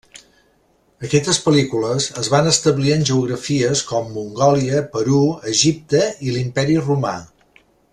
Aquestes pel·lícules es van establir en geografies com Mongòlia, Perú, Egipte i l'Imperi Romà.